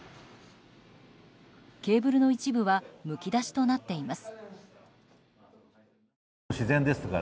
ケーブルの一部はむき出しとなっています。